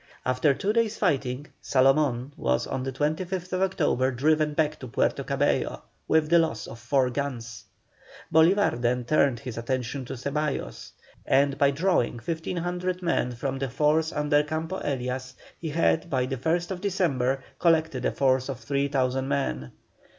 After two days' fighting, Salomón was on the 25th October driven back to Puerto Cabello with the loss of four guns. Bolívar then turned his attention to Ceballos, and by drawing 1,500 men from the force under Campo Elias, he had by the 1st December collected a force of 3,000 men.